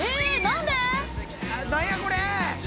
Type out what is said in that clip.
何やこれ！？